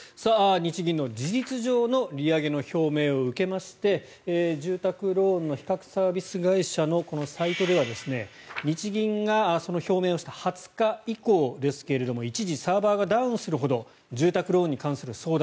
日銀の事実上の利上げの表明を受けまして住宅ローンの比較サービス会社のサイトでは日銀がその表明をした２０日以降ですが一時、サーバーがダウンするほど住宅ローンに関する相談